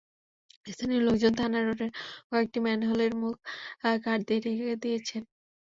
স্থানীয় লোকজন থানা রোডের কয়েকটি ম্যানহোলের মুখ কাঠ দিয়ে ঢেকে দিয়েছেন।